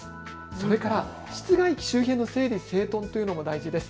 それから室外機周辺の整理整頓というのも大事です。